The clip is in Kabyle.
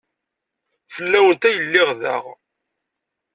Fell-awent ay lliɣ da.